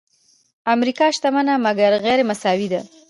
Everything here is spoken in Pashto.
امریکا شتمنه مګر غیرمساوي ده.